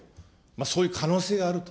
そういう可能性があると。